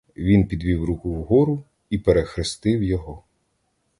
Він підвів руку в гору і перехрестив його.